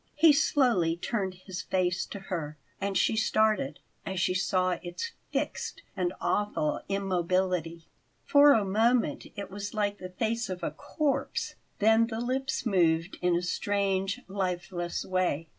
He slowly turned his face to her, and she started as she saw its fixed and awful immobility. For a moment it was like the face of a corpse; then the lips moved in a strange, lifeless way.